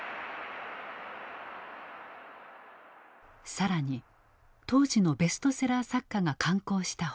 更に当時のベストセラー作家が刊行した本。